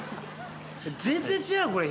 全然違うよこれ。